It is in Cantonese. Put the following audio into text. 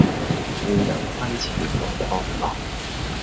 故人西辭黃鶴樓